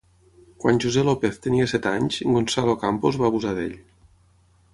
Quan José López tenia set anys, Gonzalo Campos va abusar d'ell.